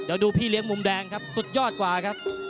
เดี๋ยวดูพี่เลี้ยงมุมแดงครับสุดยอดกว่าครับ